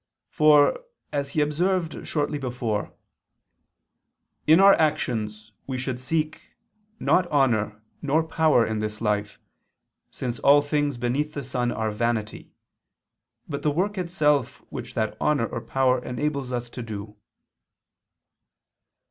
For, as he observed shortly before, "in our actions we should seek, not honor nor power in this life, since all things beneath the sun are vanity, but the work itself which that honor or power enables us to do."